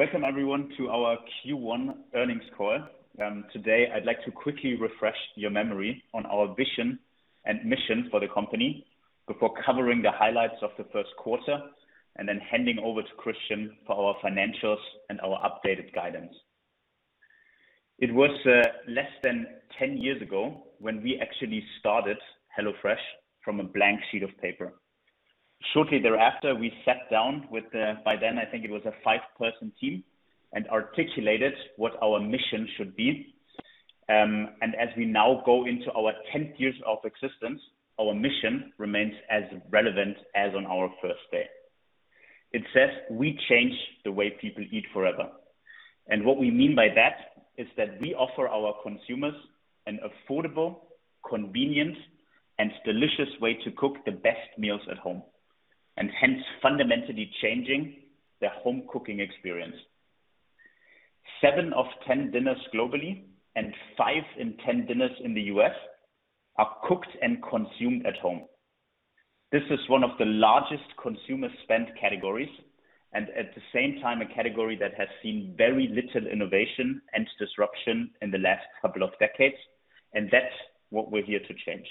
Welcome everyone to our Q1 earnings call. Today I'd like to quickly refresh your memory on our vision and mission for the company before covering the highlights of the first quarter, and then handing over to Christian for our financials and our updated guidance. It was less than 10 years ago when we actually started HelloFresh from a blank sheet of paper. Shortly thereafter, we sat down with, by then I think it was a five-person team, and articulated what our mission should be. As we now go into our 10th year of existence, our mission remains as relevant as on our first day. It says, "We change the way people eat forever." What we mean by that is that we offer our consumers an affordable, convenient, and delicious way to cook the best meals at home, and hence fundamentally changing their home cooking experience. Seven of 10 dinners globally, and five in 10 dinners in the U.S. are cooked and consumed at home. This is one of the largest consumer spend categories, and at the same time, a category that has seen very little innovation and disruption in the last couple of decades. That's what we're here to change.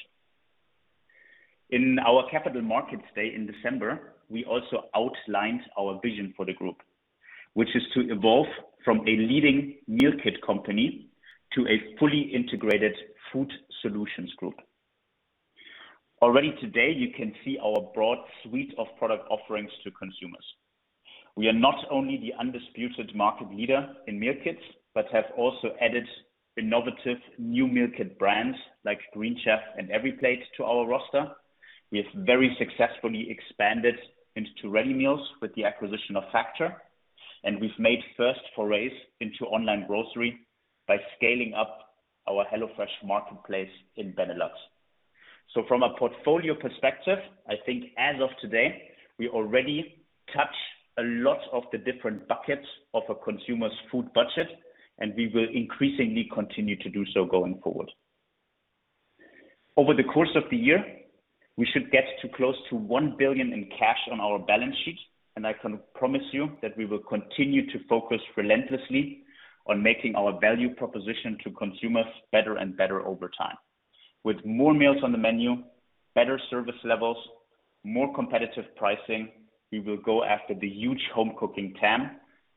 In our Capital Markets Day in December, we also outlined our vision for the group, which is to evolve from a leading meal kit company to a fully integrated food solutions group. Already today, you can see our broad suite of product offerings to consumers. We are not only the undisputed market leader in meal kits, but have also added innovative new meal kit brands like Green Chef and EveryPlate to our roster. We have very successfully expanded into ready meals with the acquisition of Factor. We've made first forays into online grocery by scaling up our HelloFresh Market in Benelux. From a portfolio perspective, I think as of today, we already touch a lot of the different buckets of a consumer's food budget, and we will increasingly continue to do so going forward. Over the course of the year, we should get to close to 1 billion in cash on our balance sheet, and I can promise you that we will continue to focus relentlessly on making our value proposition to consumers better and better over time. With more meals on the menu, better service levels, more competitive pricing, we will go after the huge home cooking TAM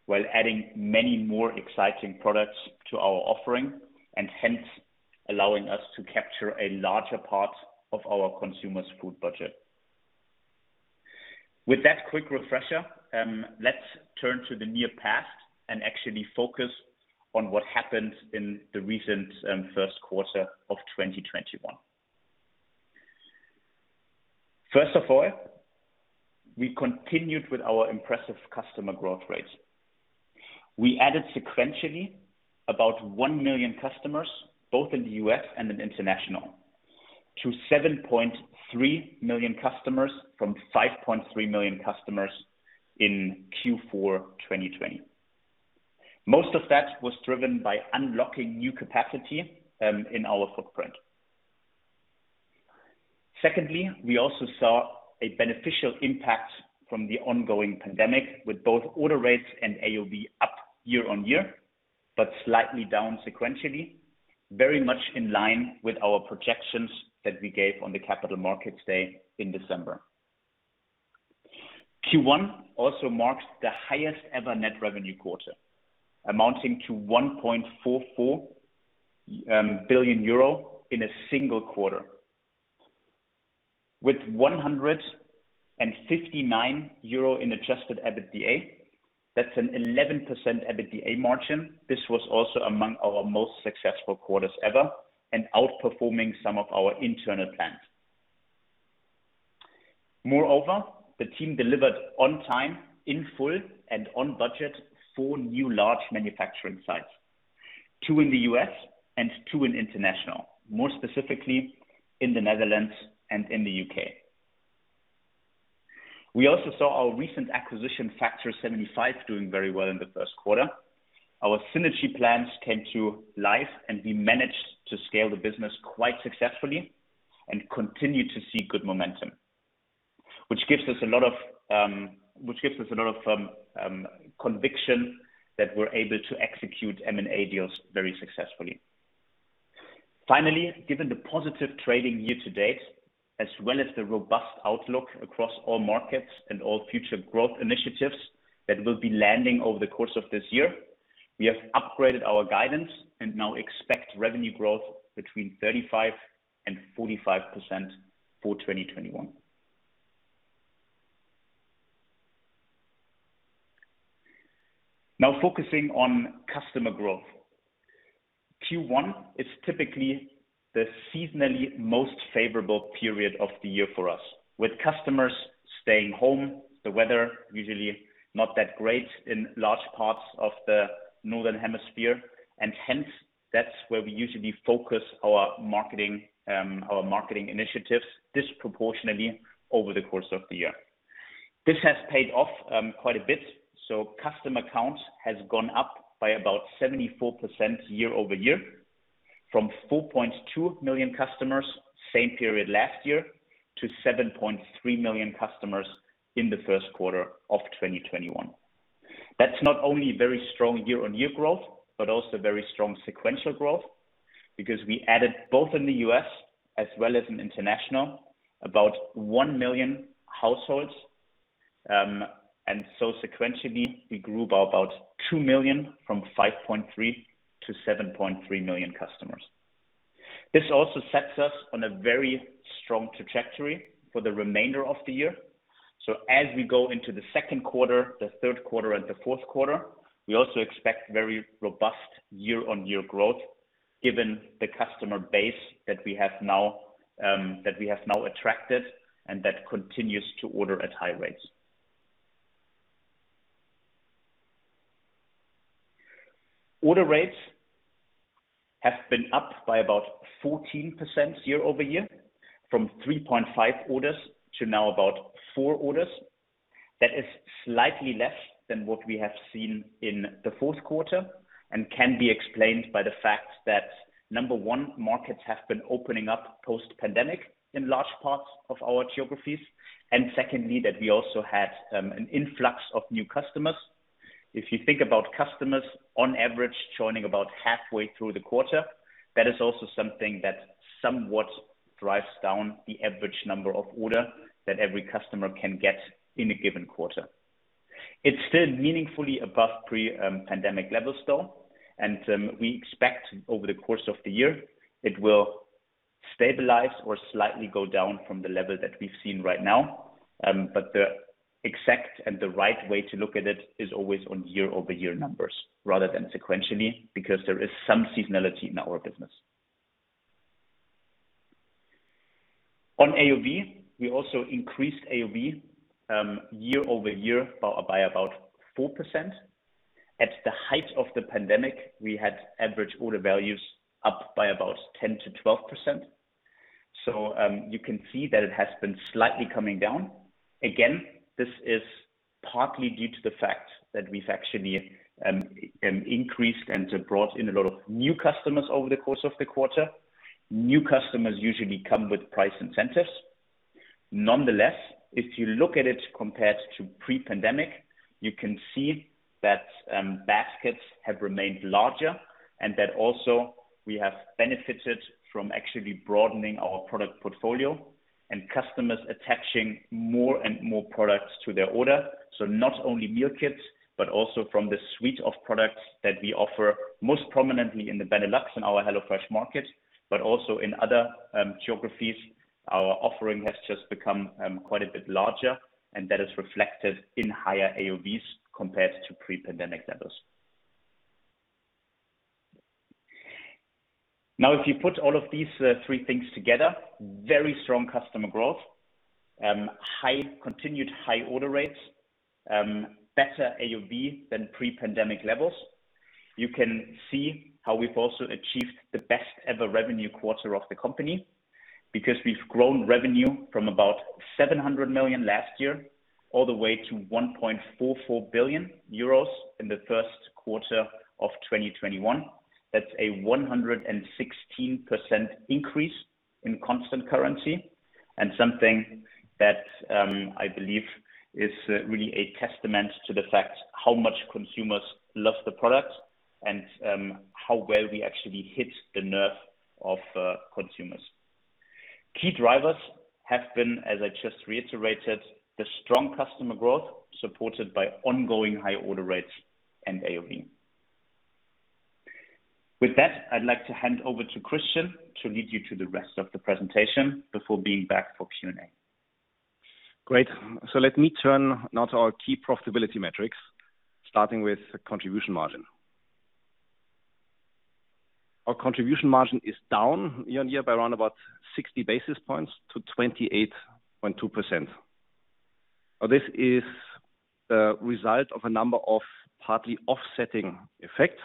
while adding many more exciting products to our offering, and hence allowing us to capture a larger part of our consumers' food budget. With that quick refresher, let's turn to the near past and actually focus on what happened in the recent first quarter of 2021. First of all, we continued with our impressive customer growth rates. We added sequentially about one million customers, both in the U.S. and in international, to 7.3 million customers from 5.3 million customers in Q4 2020. Most of that was driven by unlocking new capacity in our footprint. Secondly, we also saw a beneficial impact from the ongoing pandemic with both order rates and AOV up year-over-year, but slightly down sequentially, very much in line with our projections that we gave on the capital markets day in December. Q1 also marks the highest ever net revenue quarter, amounting to 1.44 billion euro in a single quarter. With 159 million euro in adjusted EBITDA, that's an 11% EBITDA margin. This was also among our most successful quarters ever, and outperforming some of our internal plans. Moreover, the team delivered on time, in full, and on budget, four new large manufacturing sites, two in the U.S. and two in international, more specifically in the Netherlands and in the U.K. We also saw our recent acquisition, Factor75, doing very well in the first quarter. Our synergy plans came to life, and we managed to scale the business quite successfully and continue to see good momentum, which gives us a lot of conviction that we're able to execute M&A deals very successfully. Given the positive trading year to date, as well as the robust outlook across all markets and all future growth initiatives that will be landing over the course of this year, we have upgraded our guidance and now expect revenue growth between 35% and 45% for 2021. Focusing on customer growth. Q1 is typically the seasonally most favorable period of the year for us, with customers staying home, the weather usually not that great in large parts of the northern hemisphere, and hence, that's where we usually focus our marketing initiatives disproportionately over the course of the year. This has paid off quite a bit. Customer count has gone up by about 74% year-over-year, from 4.2 million customers same period last year, to 7.3 million customers in the first quarter of 2021. That's not only very strong year-on-year growth, but also very strong sequential growth, because we added both in the U.S. as well as in international, about one million households. Sequentially, we grew by about two million from 5.3 million- 7.3 million customers. This also sets us on a very strong trajectory for the remainder of the year. As we go into the second quarter, the third quarter, and the fourth quarter, we also expect very robust year-on-year growth given the customer base that we have now attracted and that continues to order at high rates. Order rates have been up by about 14% year-over-year, from 3.5 orders to now about four orders. That is slightly less than what we have seen in the fourth quarter and can be explained by the fact that, number one, markets have been opening up post-pandemic in large parts of our geographies. Secondly, that we also had an influx of new customers. If you think about customers on average joining about halfway through the quarter, that is also something that somewhat drives down the average number of order that every customer can get in a given quarter. It is still meaningfully above pre-pandemic levels, though. We expect over the course of the year, it will stabilize or slightly go down from the level that we have seen right now. The exact and the right way to look at it is always on year-over-year numbers rather than sequentially, because there is some seasonality in our business. On AOV, we also increased AOV year-over-year by about 4%. At the height of the pandemic, we had average order values up by about 10%-12%. You can see that it has been slightly coming down. Again, this is partly due to the fact that we've actually increased and brought in a lot of new customers over the course of the quarter. New customers usually come with price incentives. Nonetheless, if you look at it compared to pre-pandemic, you can see that baskets have remained larger and that also we have benefited from actually broadening our product portfolio and customers attaching more and more products to their order. Not only meal kits, but also from the suite of products that we offer, most prominently in the Benelux in our HelloFresh Market, but also in other geographies. Our offering has just become quite a bit larger, and that is reflected in higher AOVs compared to pre-pandemic levels. If you put all of these three things together, very strong customer growth, continued high order rates, better AOV than pre-pandemic levels, you can see how we've also achieved the best ever revenue quarter of the company, because we've grown revenue from about 700 million last year, all the way to 1.44 billion euros in the first quarter of 2021. That's a 116% increase in constant currency and something that I believe is really a testament to the fact how much consumers love the product and how well we actually hit the nerve of consumers. Key drivers have been, as I just reiterated, the strong customer growth supported by ongoing high order rates and AOV. I'd like to hand over to Christian to lead you to the rest of the presentation before being back for Q&A. Great. Let me turn now to our key profitability metrics, starting with contribution margin. Our contribution margin is down year-on-year by around about 60 basis points to 28.2%. This is a result of a number of partly offsetting effects.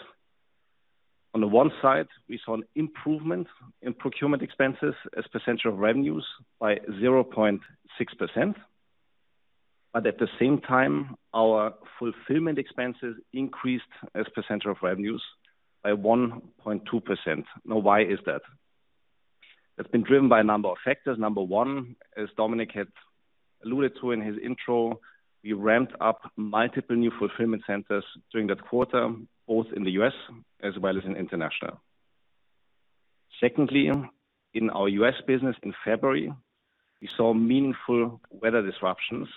On the one side, we saw an improvement in procurement expenses as a percentage of revenues by 0.6%, but at the same time, our fulfillment expenses increased as a percentage of revenues by 1.2%. Why is that? That's been driven by a number of factors. Number one, as Dominik had alluded to in his intro, we ramped up multiple new fulfillment centers during that quarter, both in the U.S. as well as in international. Secondly, in our U.S. business in February, we saw meaningful weather disruptions.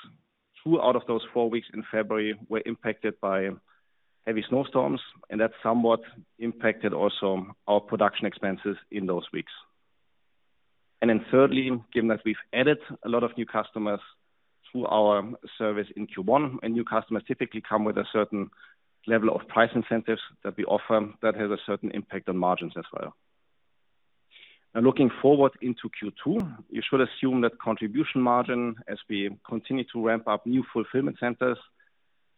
Two out of those four weeks in February were impacted by heavy snowstorms. That somewhat impacted also our production expenses in those weeks. Thirdly, given that we've added a lot of new customers through our service in Q1, and new customers typically come with a certain level of price incentives that we offer, that has a certain impact on margins as well. Looking forward into Q2, you should assume that contribution margin as we continue to ramp up new fulfillment centers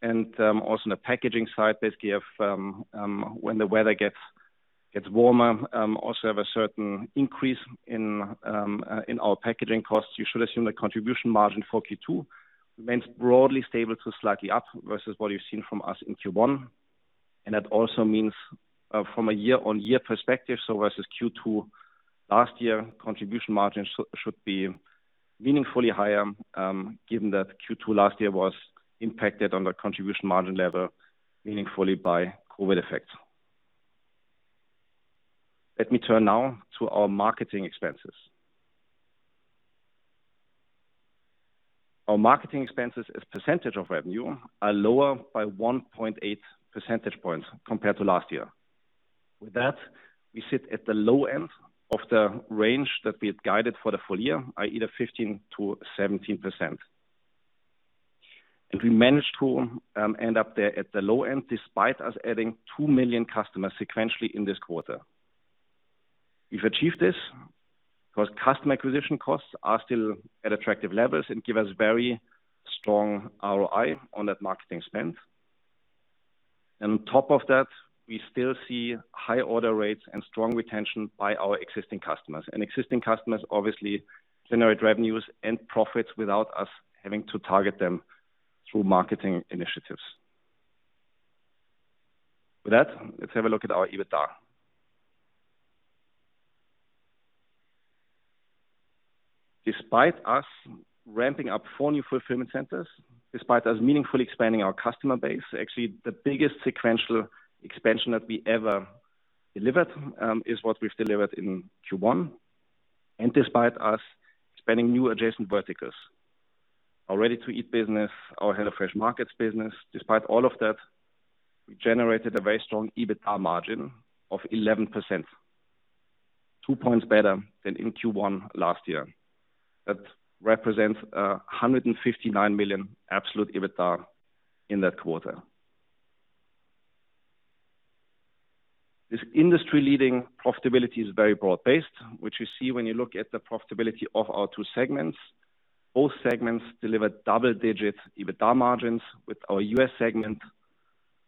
and also in the packaging side, basically when the weather gets warmer, also have a certain increase in our packaging costs. You should assume that contribution margin for Q2 remains broadly stable to slightly up versus what you've seen from us in Q1. That also means from a year-on-year perspective, so versus Q2 last year, contribution margins should be meaningfully higher, given that Q2 last year was impacted on the contribution margin level meaningfully by COVID effects. Let me turn now to our marketing expenses. Our marketing expenses as percentage of revenue are lower by 1.8 percentage points compared to last year. With that, we sit at the low end of the range that we had guided for the full year, i.e., the 15%-17%. We managed to end up there at the low end, despite us adding two million customers sequentially in this quarter. We've achieved this because customer acquisition costs are still at attractive levels and give us very strong ROI on that marketing spend. On top of that, we still see high order rates and strong retention by our existing customers. Existing customers obviously generate revenues and profits without us having to target them through marketing initiatives. With that, let's have a look at our EBITDA. Despite us ramping up four new fulfillment centers, despite us meaningfully expanding our customer base, actually, the biggest sequential expansion that we ever delivered is what we've delivered in Q1. Despite us expanding new adjacent verticals, our ready-to-eat business, our HelloFresh Market business, despite all of that, we generated a very strong EBITDA margin of 11%, two points better than in Q1 last year. That represents 159 million absolute EBITDA in that quarter. This industry-leading profitability is very broad-based, which you see when you look at the profitability of our two segments. Both segments delivered double-digit EBITDA margins with our U.S. segment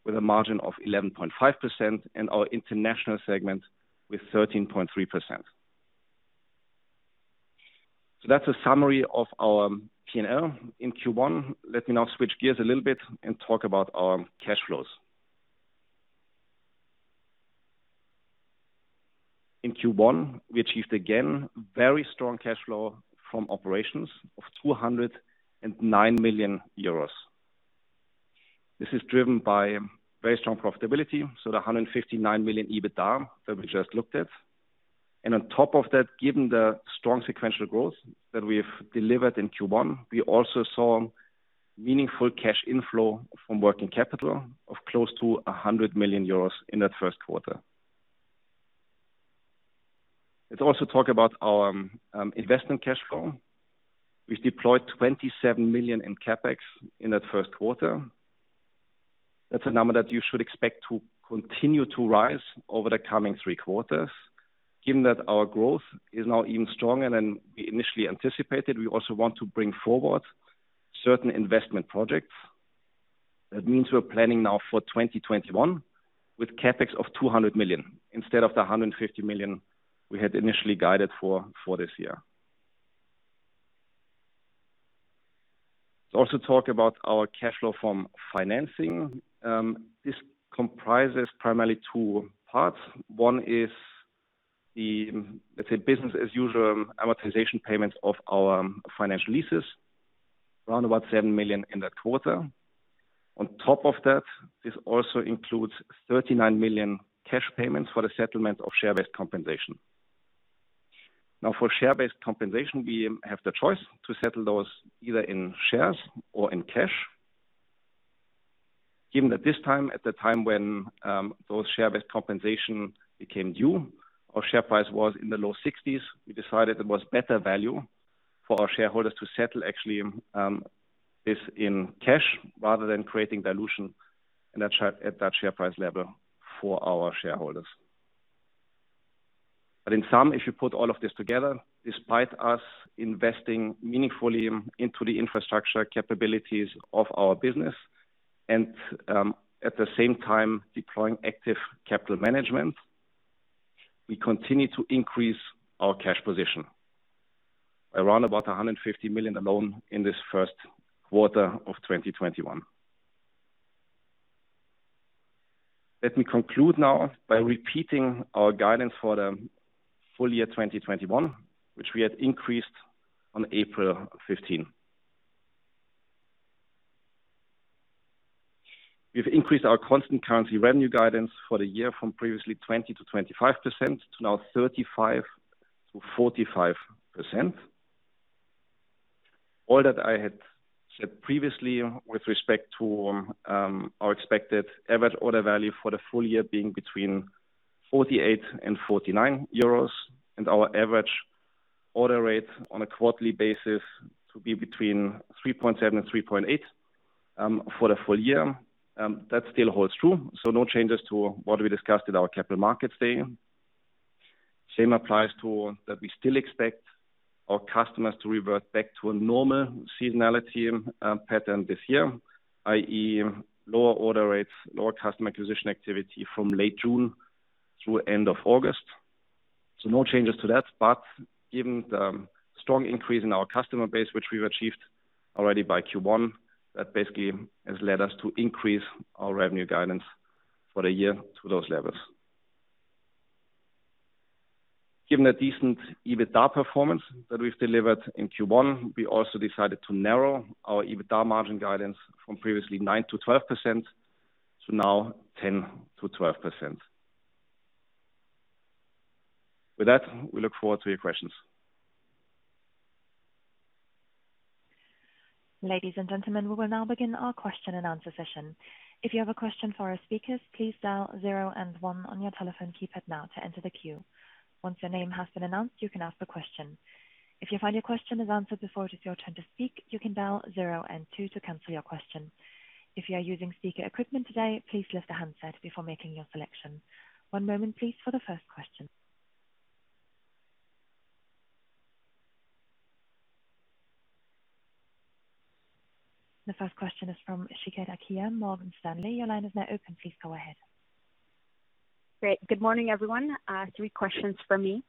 with a margin of 11.5% and our international segment with 13.3%. That's a summary of our P&L in Q1. Let me now switch gears a little bit and talk about our cash flows. In Q1, we achieved again, very strong cash flow from operations of 209 million euros. This is driven by very strong profitability, so the 159 million EBITDA that we just looked at. On top of that, given the strong sequential growth that we've delivered in Q1, we also saw meaningful cash inflow from working capital of close to 100 million euros in that first quarter. Let's also talk about our investment cash flow. We've deployed 27 million in CapEx in that first quarter. That's a number that you should expect to continue to rise over the coming three quarters. Given that our growth is now even stronger than we initially anticipated, we also want to bring forward certain investment projects. That means we're planning now for 2021 with CapEx of 200 million instead of the 150 million we had initially guided for this year. Let's also talk about our cash flow from financing. This comprises primarily two parts. One is the, let's say business as usual amortization payments of our financial leases, around about 7 million in that quarter. On top of that, this also includes 39 million cash payments for the settlement of share-based compensation. For share-based compensation, we have the choice to settle those either in shares or in cash. Given that this time, at the time when those share-based compensation became due, our share price was in the low EUR 60s, we decided it was better value for our shareholders to settle actually this in cash rather than creating dilution at that share price level for our shareholders. In sum, if you put all of this together, despite us investing meaningfully into the infrastructure capabilities of our business and, at the same time deploying active capital management, we continue to increase our cash position. Around about 150 million alone in this first quarter of 2021. Let me conclude now by repeating our guidance for the full year 2021, which we had increased on April 15. We've increased our constant currency revenue guidance for the year from previously 20%-25% to now 35%-45%. All that I had said previously with respect to our expected average order value for the full year being between 48 and 49 euros and our average order rate on a quarterly basis to be between 3.7 and 3.8 for the full year, that still holds true. No changes to what we discussed at our capital markets day. Same applies to that we still expect our customers to revert back to a normal seasonality pattern this year, i.e., lower order rates, lower customer acquisition activity from late June through end of August. No changes to that, but given the strong increase in our customer base, which we've achieved already by Q1, that basically has led us to increase our revenue guidance for the year to those levels. Given a decent EBITDA performance that we've delivered in Q1, we also decided to narrow our EBITDA margin guidance from previously 9%-12%, to now 10%-12%. With that, we look forward to your questions. Ladies and gentlemen, we will now begin our question and answer session. If you have a question for our speakers, please dial zero and one on your telephone keypad now to enter the queue. Once your name has been announced, you can ask a question. If you find your question is answered before it is your turn to speak, you can dial zero and two to cancel your question. If you are using speaker equipment today, please lift the handset before making your selection. One moment, please, for the first question. The first question is from Shikha Sakhya, Morgan Stanley. Your line is now open. Please go ahead. Great. Good morning, everyone. Three questions for me.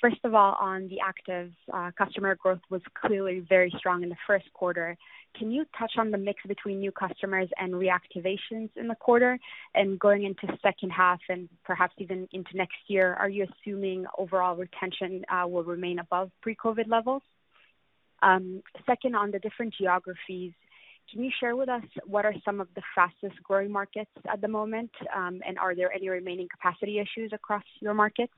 First of all, on the active customer growth was clearly very strong in the first quarter. Can you touch on the mix between new customers and reactivations in the quarter and going into second half and perhaps even into next year, are you assuming overall retention will remain above pre-COVID levels? Second, on the different geographies, can you share with us what are some of the fastest-growing markets at the moment, and are there any remaining capacity issues across your markets?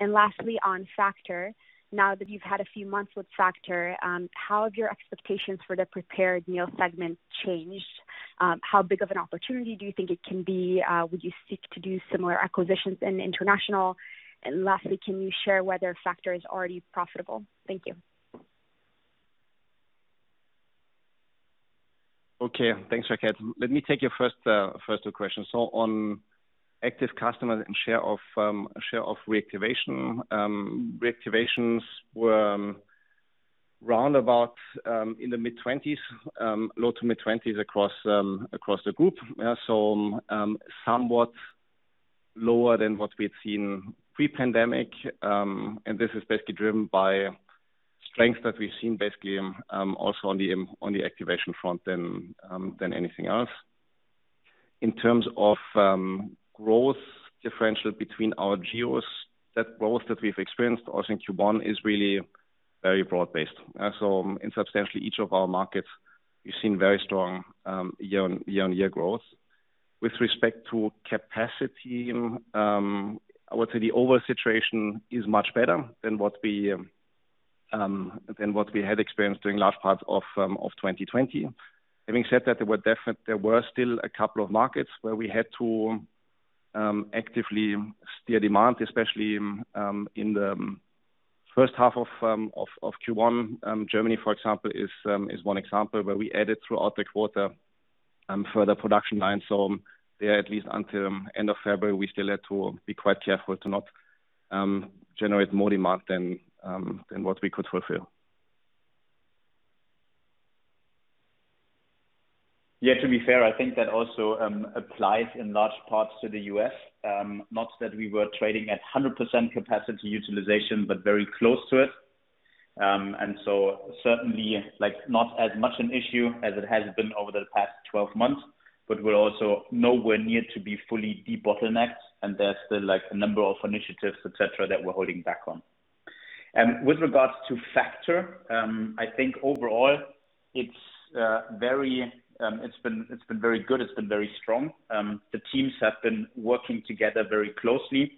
Lastly, on Factor, now that you've had a few months with Factor, how have your expectations for the prepared meal segment changed? How big of an opportunity do you think it can be? Would you seek to do similar acquisitions in international? Lastly, can you share whether Factor is already profitable? Thank you. Okay. Thanks, Sakhya. Let me take your first two questions. On active customers and share of reactivation, reactivations were round about in the mid-20s, low-to-mid 20s across the group. Somewhat lower than what we had seen pre-pandemic. This is basically driven by strength that we've seen basically, also on the activation front than anything else. In terms of growth differential between our geos, that growth that we've experienced also in Q1 is really very broad-based. In substantially each of our markets, we've seen very strong year-on-year growth. With respect to capacity, I would say the overall situation is much better than what we had experienced during large parts of 2020. Having said that, there were still a couple of markets where we had to actively steer demand, especially in the first half of Q1. Germany, for example, is one example where we added throughout the quarter further production lines. There, at least until end of February, we still had to be quite careful to not generate more demand than what we could fulfill. Yeah, to be fair, I think that also applies in large parts to the U.S. Not that we were trading at 100% capacity utilization, but very close to it. Certainly, not as much an issue as it has been over the past 12 months, but we're also nowhere near to be fully de-bottlenecked, and there's still a number of initiatives, et cetera, that we're holding back on. With regards to Factor, I think overall it's been very good. It's been very strong. The teams have been working together very closely.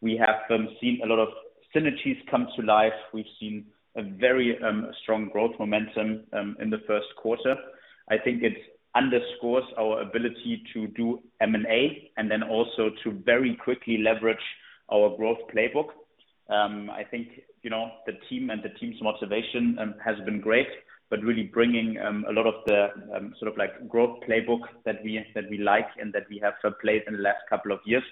We have seen a lot of synergies come to life. We've seen a very strong growth momentum in the first quarter. I think it underscores our ability to do M&A and then also to very quickly leverage our growth playbook. I think the team and the team's motivation has been great, really bringing a lot of the growth playbook that we like and that we have played in the last couple of years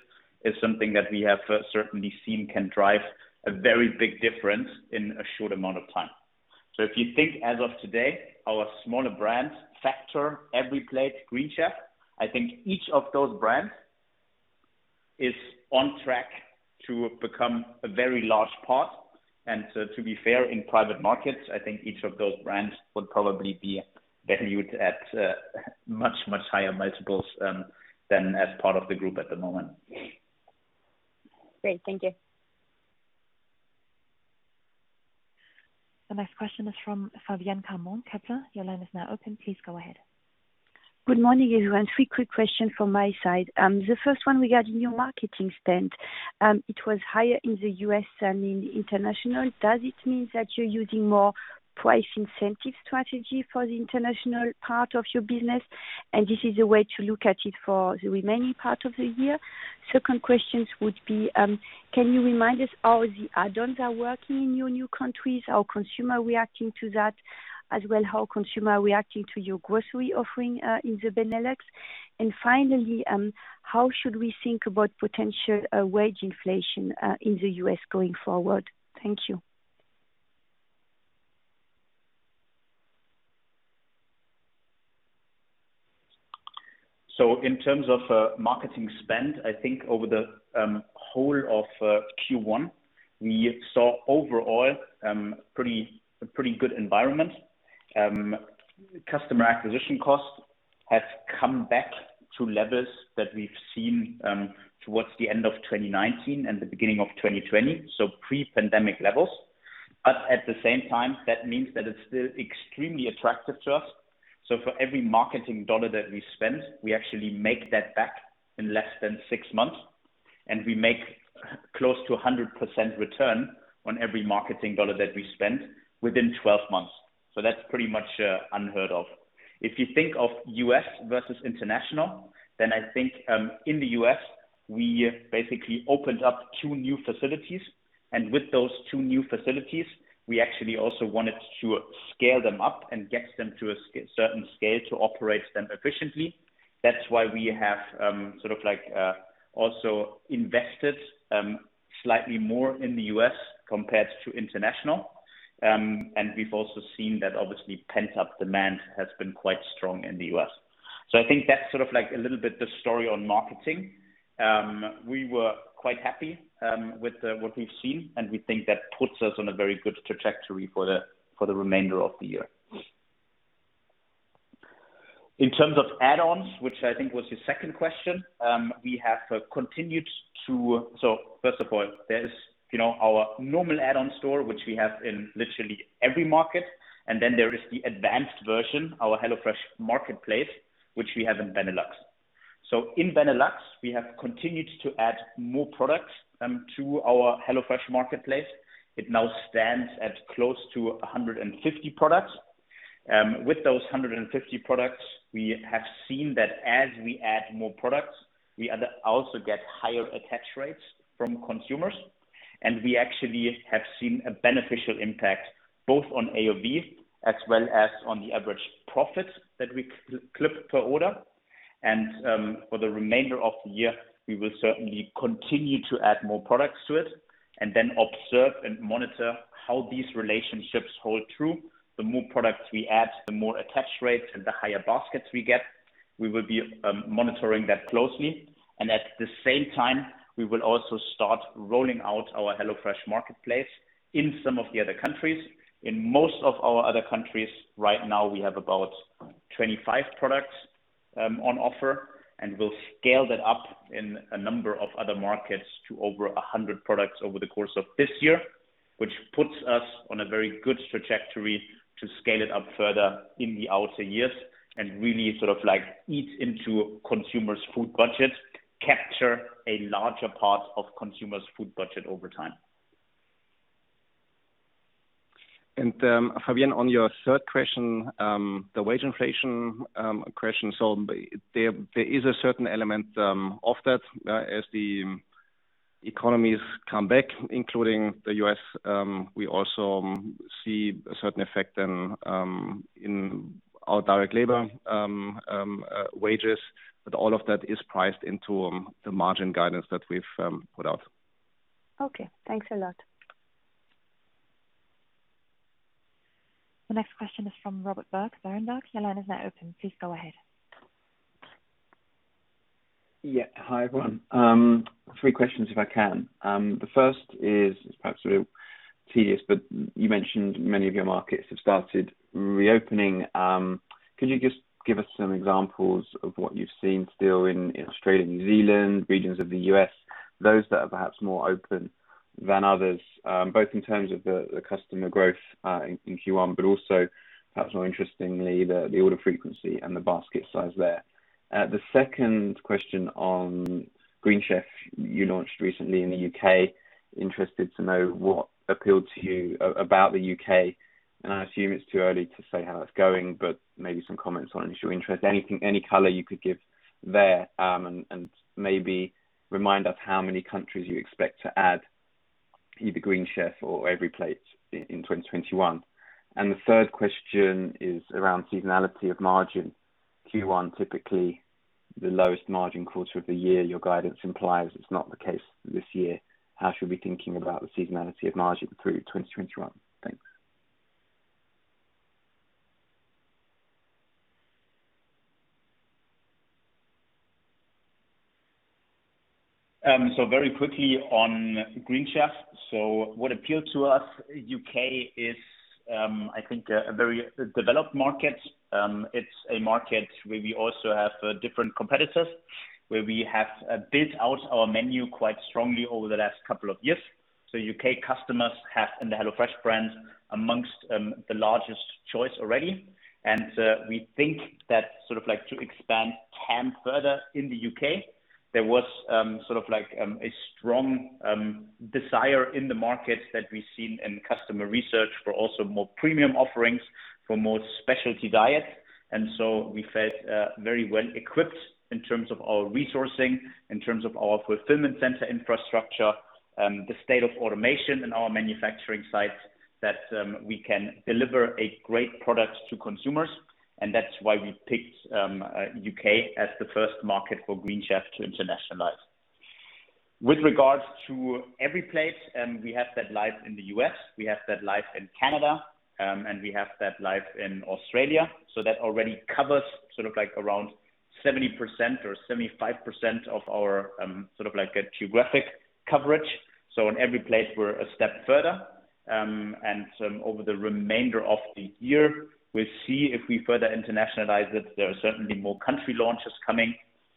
is something that we have certainly seen can drive a very big difference in a short amount of time. If you think as of today, our smaller brands, Factor, EveryPlate, Green Chef, I think each of those brands is on track to become a very large part. To be fair, in private markets, I think each of those brands would probably be valued at much, much higher multiples than as part of the group at the moment. Great. Thank you. The next question is from Fabienne Caron, Kepler. Your line is now open. Please go ahead. Good morning, everyone. Three quick questions from my side. The first one regarding your marketing spend. It was higher in the U.S. than in international. Does it mean that you're using more price incentive strategy for the international part of your business, and this is a way to look at it for the remaining part of the year? Second question would be, can you remind us how the add-ons are working in your new countries? How consumer reacting to that, as well, how consumer reacting to your grocery offering, in the Benelux? Finally, how should we think about potential wage inflation in the U.S. going forward? Thank you. In terms of marketing spend, I think over the whole of Q1, we saw overall, a pretty good environment. Customer acquisition cost has come back to levels that we've seen towards the end of 2019 and the beginning of 2020, so pre-pandemic levels. At the same time, that means that it's still extremely attractive to us. For every marketing dollar that we spend, we actually make that back in less than six months, and we make close to 100% return on every marketing dollar that we spend within 12 months. That's pretty much unheard of. If you think of U.S. versus international, then I think in the U.S., we basically opened up two new facilities. With those two new facilities, we actually also wanted to scale them up and get them to a certain scale to operate them efficiently. That's why we have also invested slightly more in the U.S. compared to international. We've also seen that obviously pent-up demand has been quite strong in the U.S. I think that's a little bit the story on marketing. We were quite happy with what we've seen, and we think that puts us on a very good trajectory for the remainder of the year. In terms of add-ons, which I think was your second question, so first of all, there is our normal add-on store, which we have in literally every market, and then there is the advanced version, our HelloFresh Market, which we have in Benelux. In Benelux, we have continued to add more products to our HelloFresh Market. It now stands at close to 150 products. With those 150 products, we have seen that as we add more products, we also get higher attach rates from consumers, and we actually have seen a beneficial impact both on AOV as well as on the average profit that we clip per order. For the remainder of the year, we will certainly continue to add more products to it and then observe and monitor how these relationships hold true. The more products we add, the more attach rates and the higher baskets we get. We will be monitoring that closely, and at the same time, we will also start rolling out our HelloFresh Market in some of the other countries. In most of our other countries, right now, we have about 25 products on offer, and we'll scale that up in a number of other markets to over 100 products over the course of this year. Which puts us on a very good trajectory to scale it up further in the outer years and really eats into consumers' food budget, capture a larger part of consumers' food budget over time. Fabienne, on your third question, the wage inflation question. There is a certain element of that as the economies come back, including the U.S., we also see a certain effect in our direct labor wages, but all of that is priced into the margin guidance that we've put out. Okay, thanks a lot. The next question is from Robert Berg, Berenberg. Your line is now open. Please go ahead. Yeah. Hi, everyone. Three questions if I can. The first is perhaps a little tedious, but you mentioned many of your markets have started reopening. Could you just give us some examples of what you've seen still in Australia, New Zealand, regions of the U.S., those that are perhaps more open than others, both in terms of the customer growth in Q1, but also perhaps more interestingly, the order frequency and the basket size there. The second question on Green Chef you launched recently in the U.K. Interested to know what appealed to you about the U.K. I assume it's too early to say how that's going, but maybe some comments on initial interest, any color you could give there, and maybe remind us how many countries you expect to add either Green Chef or EveryPlate in 2021. The third question is around seasonality of margin. Q1, typically the lowest margin quarter of the year. Your guidance implies it's not the case this year. How should we be thinking about the seasonality of margin through 2021? Thanks. Very quickly on Green Chef. What appealed to us, U.K. is I think a very developed market. It's a market where we also have different competitors, where we have built out our menu quite strongly over the last couple of years. U.K. customers have in the HelloFresh brand amongst the largest choice already. We think that to expand further in the U.K., there was a strong desire in the market that we've seen in customer research for also more premium offerings for more specialty diet. We felt very well equipped in terms of our resourcing, in terms of our fulfillment center infrastructure, the state of automation in our manufacturing sites, that we can deliver a great product to consumers, that's why we picked U.K. as the first market for Green Chef to internationalize. With regards to EveryPlate, we have that live in the U.S., we have that live in Canada, and we have that live in Australia. That already covers around 70% or 75% of our geographic coverage. In EveryPlate, we're a step further. Over the remainder of the year, we'll see if we further internationalize it. There are certainly more country launches coming.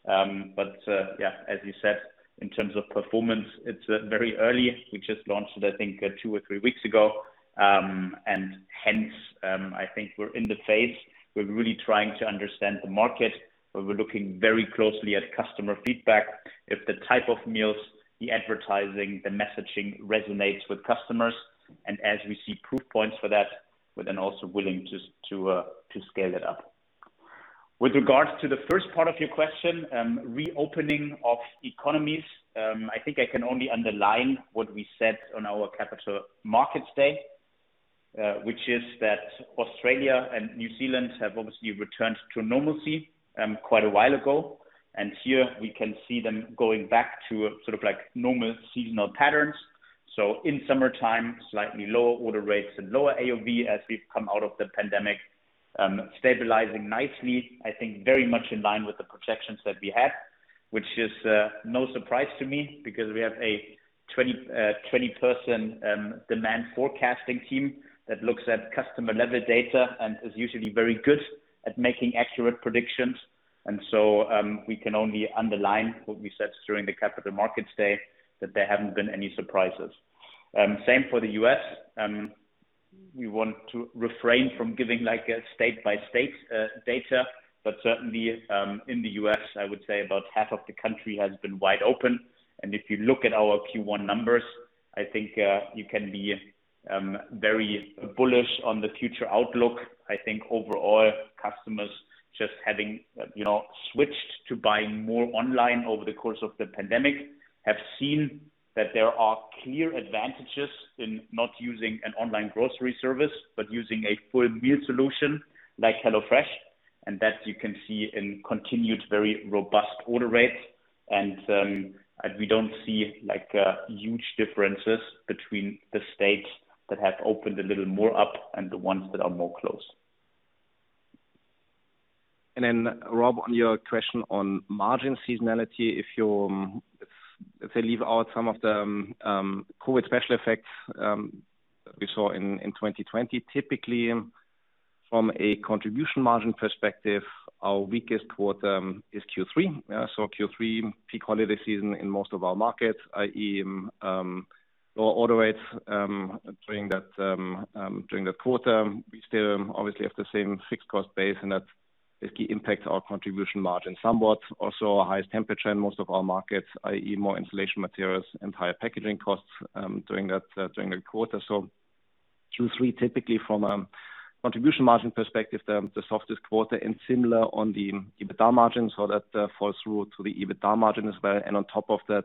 Yeah, as you said, in terms of performance, it's very early. We just launched it, I think, two or three weeks ago. Hence, I think we're in the phase, we're really trying to understand the market, where we're looking very closely at customer feedback. If the type of meals, the advertising, the messaging resonates with customers. As we see proof points for that, we're then also willing to scale it up. With regards to the first part of your question, reopening of economies, I think I can only underline what we said on our Capital Markets Day, which is that Australia and New Zealand have obviously returned to normalcy quite a while ago, and here we can see them going back to normal seasonal patterns. In summertime, slightly lower order rates and lower AOV as we've come out of the pandemic, stabilizing nicely. I think very much in line with the projections that we had, which is no surprise to me because we have a 20-person demand forecasting team that looks at customer-level data and is usually very good at making accurate predictions. We can only underline what we said during the Capital Markets Day, that there haven't been any surprises. Same for the U.S. We want to refrain from giving state-by-state data, but certainly, in the U.S., I would say about half of the country has been wide open. If you look at our Q1 numbers, I think you can be very bullish on the future outlook. I think overall, customers just having switched to buying more online over the course of the pandemic, have seen that there are clear advantages in not using an online grocery service, but using a full meal solution like HelloFresh. That you can see in continued very robust order rates. We don't see huge differences between the states that have opened a little more up and the ones that are more closed. Rob, on your question on margin seasonality, if you leave out some of the COVID special effects that we saw in 2020, typically from a contribution margin perspective, our weakest quarter is Q3. Q3, peak holiday season in most of our markets, i.e., lower order rates during that quarter. We still obviously have the same fixed cost base, that basically impacts our contribution margin somewhat. Also highest temperature in most of our markets, i.e., more insulation materials and higher packaging costs during that quarter. Q3 typically from a contribution margin perspective, the softest quarter and similar on the EBITDA margin. That falls through to the EBITDA margin as well. On top of that,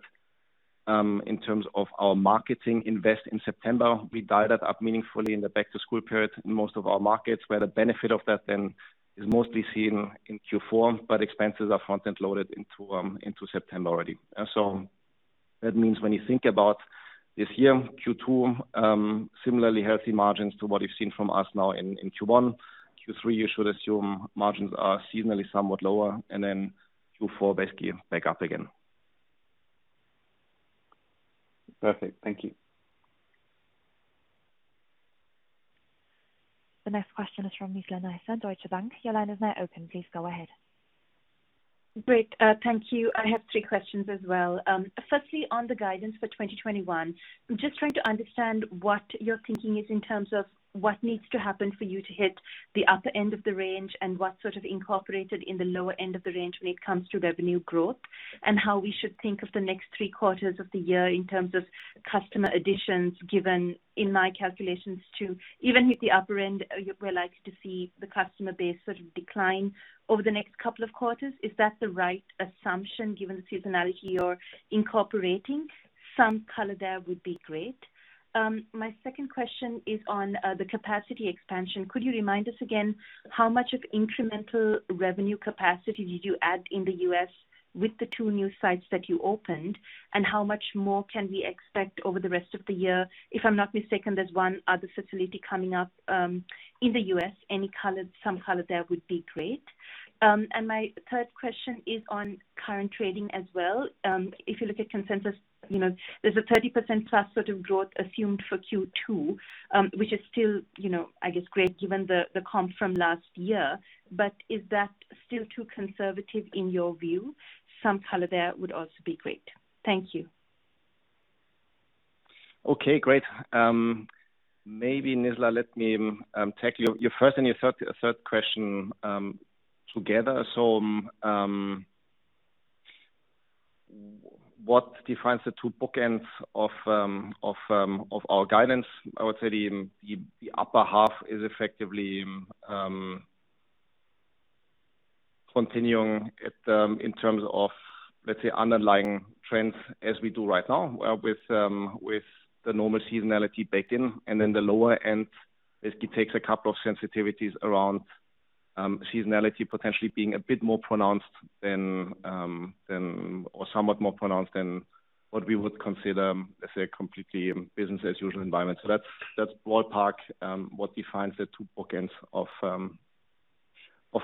in terms of our marketing invest in September, we dial that up meaningfully in the back-to-school period in most of our markets, where the benefit of that then is mostly seen in Q4, but expenses are front-end loaded into September already. That means when you think about this year, Q2, similarly healthy margins to what you've seen from us now in Q1. Q3, you should assume margins are seasonally somewhat lower, and then Q4 basically back up again. Perfect. Thank you. The next question is from Nizla Naizer, Deutsche Bank. Your line is now open. Please go ahead. Great. Thank you. I have three questions as well. Firstly, on the guidance for 2021, I'm just trying to understand what your thinking is in terms of what needs to happen for you to hit the upper end of the range and what's sort of incorporated in the lower end of the range when it comes to revenue growth. How we should think of the next three quarters of the year in terms of customer additions, given in my calculations too, even with the upper end, we're likely to see the customer base sort of decline over the next couple of quarters. Is that the right assumption given the seasonality you're incorporating? Some color there would be great. My second question is on the capacity expansion. Could you remind us again, how much of incremental revenue capacity did you add in the U.S. with the two new sites that you opened, and how much more can we expect over the rest of the year? If I'm not mistaken, there's one other facility coming up in the U.S. Some color there would be great. My third question is on current trading as well. If you look at consensus, there's a 30%+ sort of growth assumed for Q2, which is still, I guess, great given the comp from last year. Is that still too conservative in your view? Some color there would also be great. Thank you. Okay, great. Nizla, let me take your first and your third question together. What defines the two bookends of our guidance? I would say the upper half is effectively continuing in terms of, let's say, underlying trends as we do right now with the normal seasonality baked in. The lower end basically takes a couple of sensitivities around seasonality potentially being a bit more pronounced than, or somewhat more pronounced than what we would consider, let's say, a completely business as usual environment. That's ballpark what defines the two bookends of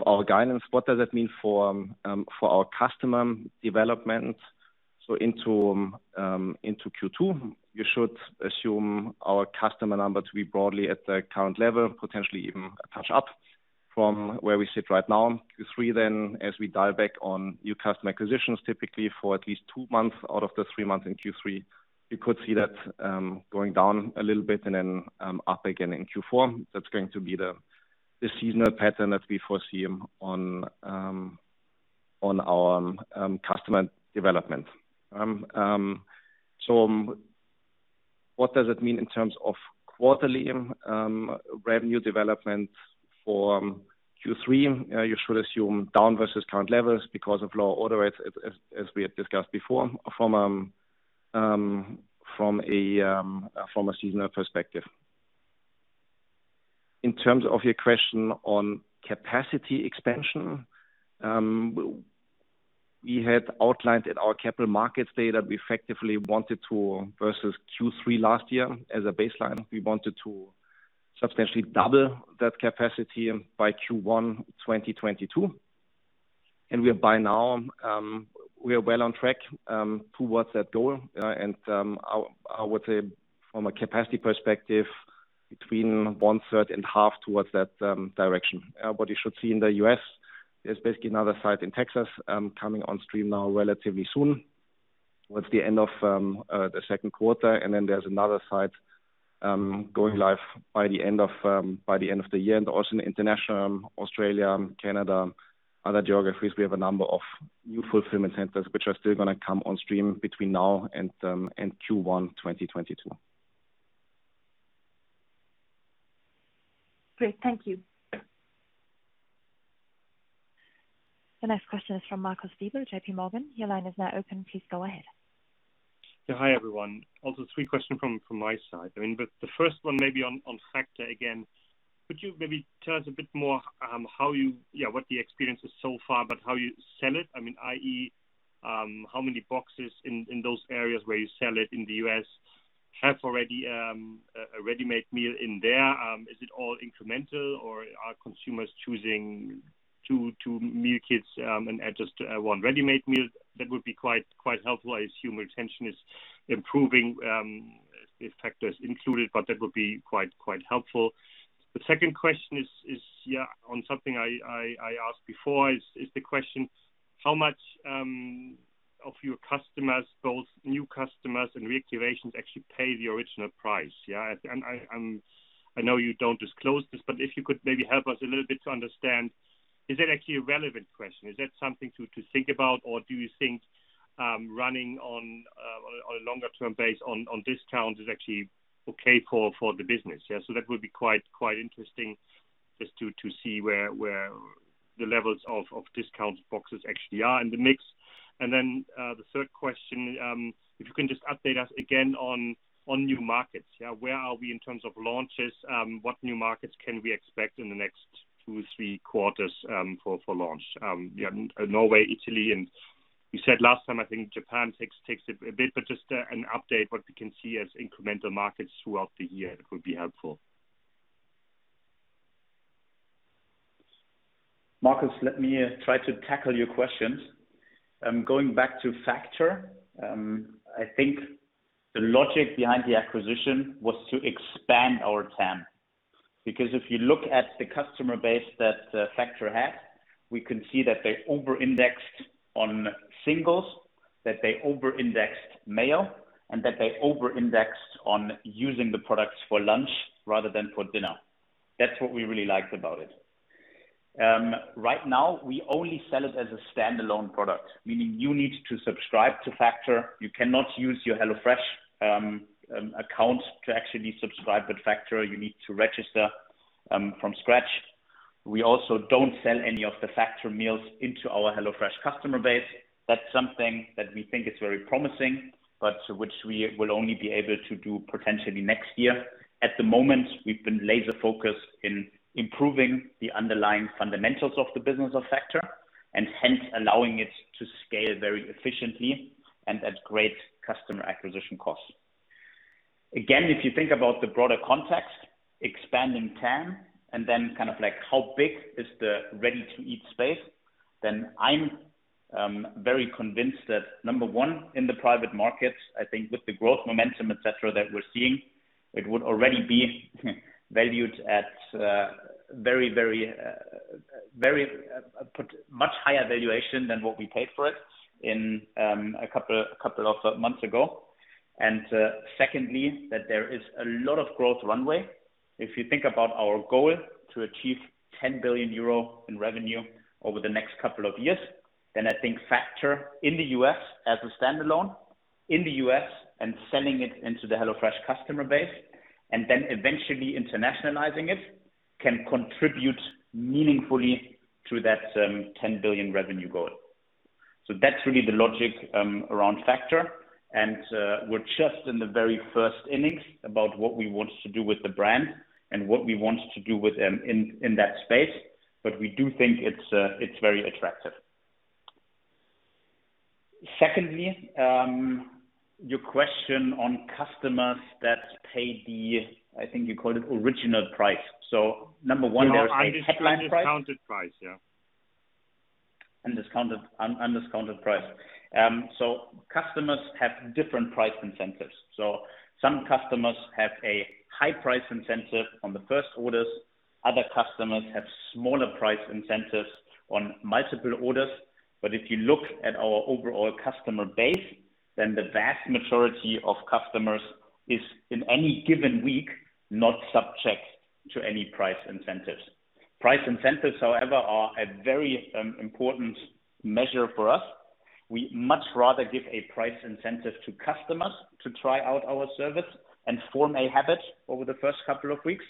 our guidance. What does that mean for our customer development? Into Q2, you should assume our customer number to be broadly at the current level, potentially even a touch up from where we sit right now. Q3, as we dial back on new customer acquisitions, typically for at least two months out of the three months in Q3, you could see that going down a little bit and then up again in Q4. That's going to be the seasonal pattern that we foresee on our customer development. What does it mean in terms of quarterly revenue development for Q3? You should assume down versus current levels because of lower order rates, as we had discussed before from a seasonal perspective. In terms of your question on capacity expansion, we had outlined in our capital markets day that we effectively wanted to, versus Q3 last year as a baseline, we wanted to substantially double that capacity by Q1 2022, and we are well on track towards that goal. I would say from a capacity perspective, between one third and half towards that direction. What you should see in the U.S. is basically another site in Texas coming on stream now relatively soon, towards the end of the second quarter. Then there's another site going live by the end of the year. Also in international Australia, Canada, other geographies, we have a number of new fulfillment centers, which are still going to come on stream between now and Q1 2022. Great. Thank you. The next question is from Marcus Diebel, JPMorgan. Your line is now open. Please go ahead. Yeah. Hi, everyone. Also three questions from my side. The first one maybe on Factor again. Could you maybe tell us a bit more what the experience is so far, but how you sell it, I mean, i.e., how many boxes in those areas where you sell it in the U.S. have already a ready-made meal in there? Is it all incremental or are consumers choosing two meal kits and add just one ready-made meal? That would be quite helpful. I assume retention is improving if Factor is included, but that would be quite helpful. The second question is on something I asked before, is the question, how much of your customers, both new customers and reactivations, actually pay the original price? I know you don't disclose this, but if you could maybe help us a little bit to understand, is that actually a relevant question? Is that something to think about, or do you think running on a longer term base on discounts is actually okay for the business? That would be quite interesting just to see where the levels of discount boxes actually are in the mix. The third question, if you can just update us again on new markets. Where are we in terms of launches? What new markets can we expect in the next two, three quarters for launch? Norway, Italy, you said last time, I think Japan takes a bit, just an update what we can see as incremental markets throughout the year, that would be helpful. Marcus, let me try to tackle your questions. Going back to Factor, I think the logic behind the acquisition was to expand our TAM, because if you look at the customer base that Factor had, we can see that they over-indexed on singles, that they over-indexed male, and that they over-indexed on using the products for lunch rather than for dinner. That's what we really liked about it. Right now we only sell it as a standalone product, meaning you need to subscribe to Factor. You cannot use your HelloFresh account to actually subscribe with Factor. You need to register from scratch. We also don't sell any of the Factor meals into our HelloFresh customer base. That's something that we think is very promising, but which we will only be able to do potentially next year. At the moment, we've been laser focused in improving the underlying fundamentals of the business of Factor, and hence allowing it to scale very efficiently and at great customer acquisition costs. Again, if you think about the broader context, expanding TAM, and then kind of like how big is the ready-to-eat space, then I'm very convinced that number one, in the private markets, I think with the growth momentum, et cetera, that we're seeing, it would already be valued at very much higher valuation than what we paid for it in a couple of months ago. Secondly, that there is a lot of growth runway. If you think about our goal to achieve 10 billion euro in revenue over the next couple of years, then I think Factor in the U.S. as a standalone, in the U.S. and selling it into the HelloFresh customer base, and then eventually internationalizing it, can contribute meaningfully to that 10 billion revenue goal. That's really the logic around Factor, and we're just in the very first innings about what we want to do with the brand and what we want to do in that space, but we do think it's very attractive. Secondly, your question on customers that pay the, I think you called it original price. Number one, there is a headline price. Undiscounted price, yeah. Undiscounted price. Customers have different price incentives. Some customers have a high price incentive on the first orders. Other customers have smaller price incentives on multiple orders. If you look at our overall customer base, the vast majority of customers is, in any given week, not subject to any price incentives. Price incentives, however, are a very important measure for us. We much rather give a price incentive to customers to try out our service and form a habit over the first couple of weeks,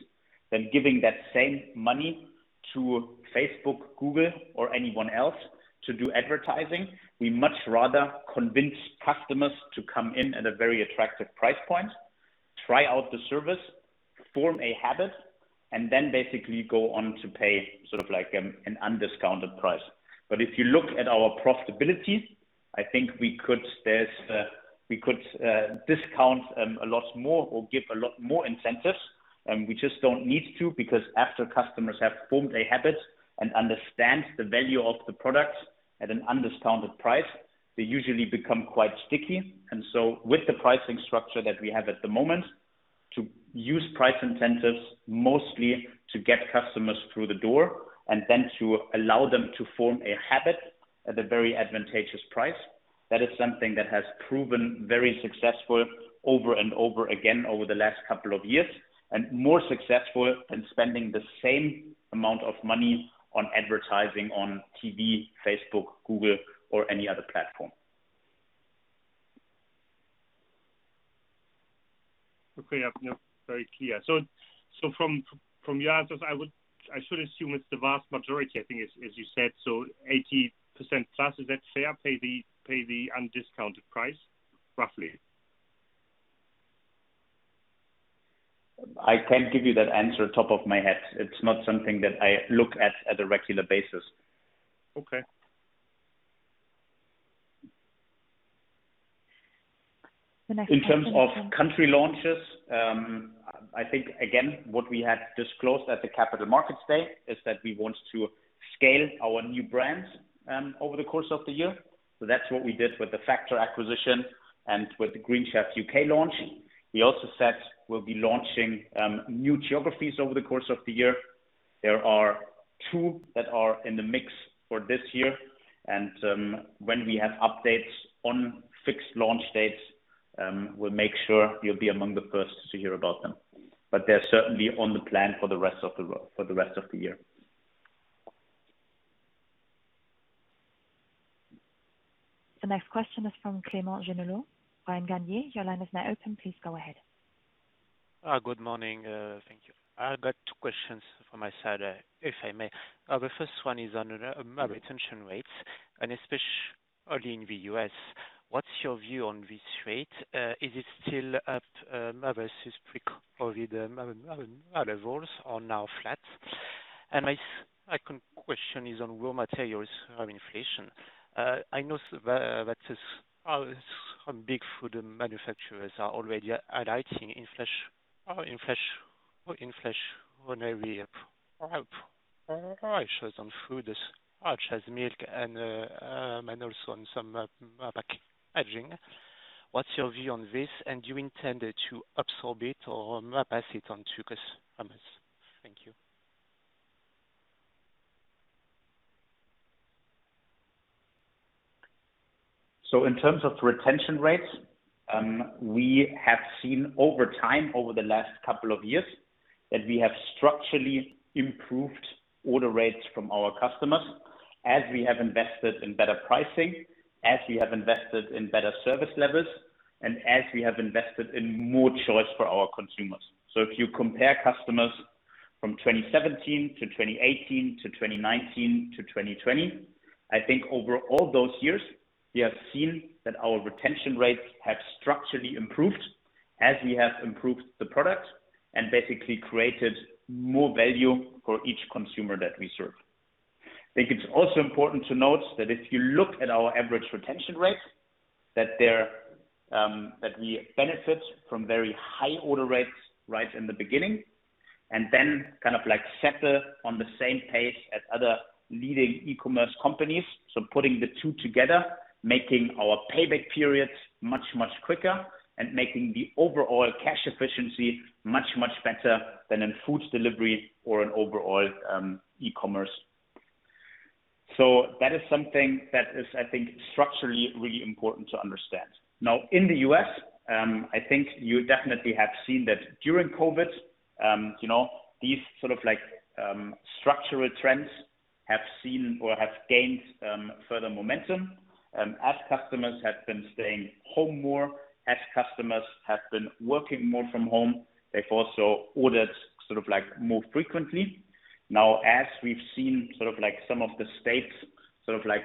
than giving that same money to Facebook, Google, or anyone else to do advertising. We much rather convince customers to come in at a very attractive price point, try out the service, form a habit, and then basically go on to pay an undiscounted price. If you look at our profitability, I think we could discount a lot more or give a lot more incentives, and we just don't need to, because after customers have formed a habit and understand the value of the product at an undiscounted price, they usually become quite sticky. With the pricing structure that we have at the moment, to use price incentives mostly to get customers through the door and then to allow them to form a habit at a very advantageous price, that is something that has proven very successful over and over again over the last couple of years, and more successful than spending the same amount of money on advertising on TV, Facebook, Google, or any other platform. Okay. Yeah. No, very clear. From your answers, I should assume it's the vast majority, I think, as you said, so 80%+, is that fair? Pay the undiscounted price, roughly. I can't give you that answer off top of my head. It's not something that I look at a regular basis. Okay. The next question is from- In terms of country launches, I think, again, what we had disclosed at the Capital Markets Day is that we want to scale our new brands over the course of the year. That's what we did with the Factor acquisition and with the Green Chef U.K. launch. We also said we'll be launching new geographies over the course of the year. There are two that are in the mix for this year, and when we have updates on fixed launch dates, we'll make sure you'll be among the first to hear about them. They're certainly on the plan for the rest of the year. The next question is from Clément Genelot, Bryan Garnier, your line is now open. Please go ahead. Good morning. Thank you. I got two questions from my side, if I may. The first one is on retention rates, and especially in the U.S. What's your view on this rate? Is it still up versus pre-COVID levels or now flat? My second question is on raw materials and inflation. I know that some big food manufacturers are already highlighting inflationary pressures on food such as milk and also on some packaging. What's your view on this, and do you intend to absorb it or pass it on to customers? Thank you. In terms of retention rates, we have seen over time, over the last couple of years, that we have structurally improved order rates from our customers as we have invested in better pricing, as we have invested in better service levels, and as we have invested in more choice for our consumers. If you compare customers from 2017 to 2018 to 2019 to 2020, I think over all those years, we have seen that our retention rates have structurally improved as we have improved the product and basically created more value for each consumer that we serve. I think it is also important to note that if you look at our average retention rates, that we benefit from very high order rates right in the beginning, and then kind of settle on the same pace as other leading e-commerce companies. Putting the two together, making our payback periods much, much quicker and making the overall cash efficiency much, much better than in food delivery or in overall e-commerce. That is something that is, I think, structurally really important to understand. In the U.S., I think you definitely have seen that during COVID, these sort of structural trends have seen or have gained further momentum. As customers have been staying home more, as customers have been working more from home, they've also ordered more frequently. As we've seen some of the states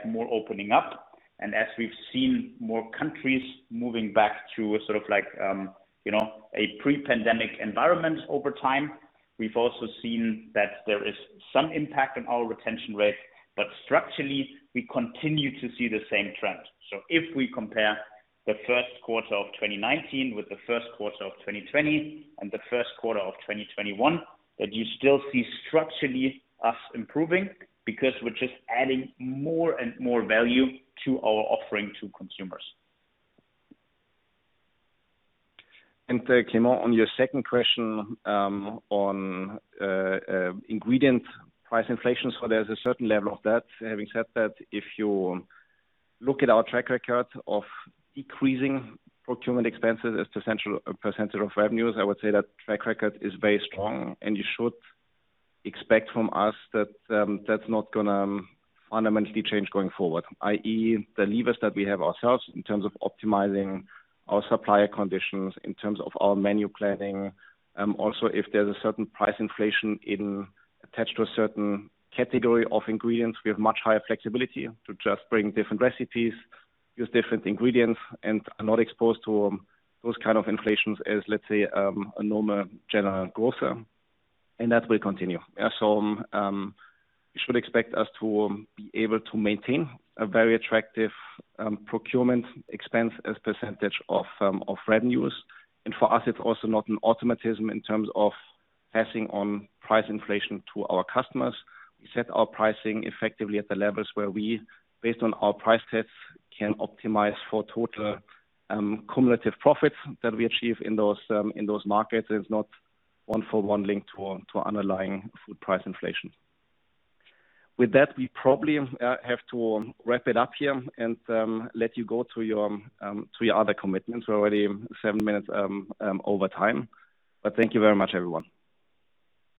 more opening up and as we've seen more countries moving back to a pre-pandemic environment over time, we've also seen that there is some impact on our retention rate, but structurally, we continue to see the same trend. If we compare the first quarter of 2019 with the first quarter of 2020 and the first quarter of 2021, that you still see structurally us improving because we're just adding more and more value to our offering to consumers. Clément, on your second question on ingredient price inflation. There's a certain level of that. Having said that, if you look at our track record of decreasing procurement expenses as percentage of revenues, I would say that track record is very strong and you should expect from us that's not going to fundamentally change going forward, i.e., the levers that we have ourselves in terms of optimizing our supplier conditions, in terms of our menu planning. If there's a certain price inflation attached to a certain category of ingredients, we have much higher flexibility to just bring different recipes, use different ingredients, and are not exposed to those kind of inflations as, let's say, a normal general grocer. That will continue. You should expect us to be able to maintain a very attractive procurement expense as percentage of revenues. For us it's also not an automatism in terms of passing on price inflation to our customers. We set our pricing effectively at the levels where we, based on our price tests, can optimize for total cumulative profits that we achieve in those markets. It's not one-for-one linked to underlying food price inflation. With that, we probably have to wrap it up here and let you go to your other commitments. We're already seven minutes over time. Thank you very much, everyone.